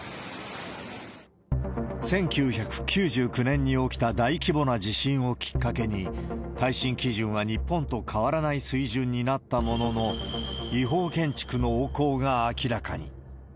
１９９９年に起きた大規模な地震をきっかけに、耐震基準は日本と変わらない水準になったものの、違法建築の横行が明らかに。